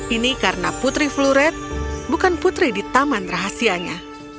ini karena putri fluret bukan putri di taman rahasianya